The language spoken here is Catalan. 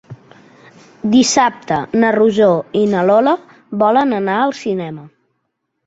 Dissabte na Rosó i na Lola volen anar al cinema.